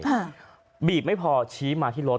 พอบีบที่รถว่าไม่พอขอชี้มาที่รถ